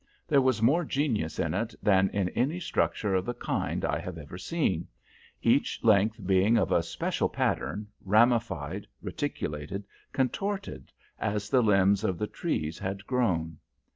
There was more genius in it than in any structure of the kind I have ever seen, each length being of a special pattern, ramified, reticulated, contorted, as the limbs of the trees had grown.